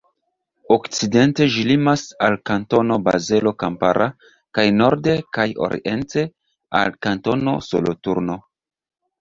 Okcidente ĝi limas al Kantono Bazelo Kampara kaj norde kaj oriente al Kantono Soloturno.